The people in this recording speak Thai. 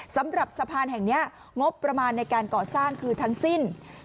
สำหรับสะพานแห่งนี้งบประมาณในการก่อสร้างคือทั้งสิ้น